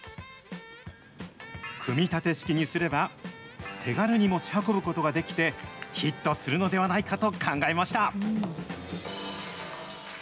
組み立て式にすれば、手軽に持ち運ぶことができて、ヒットするのではないかと考えました。